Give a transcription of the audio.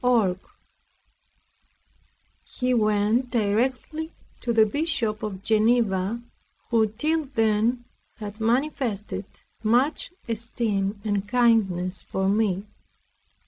CHAPTER 6 He went directly to the Bishop of Geneva, who till then had manifested much esteem and kindness for me.